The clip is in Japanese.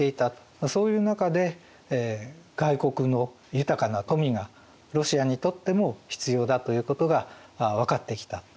そういう中で外国の豊かな富がロシアにとっても必要だということが分かってきた。